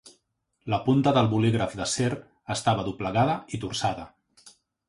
La punta del bolígraf d'acer estava doblegada i torçada.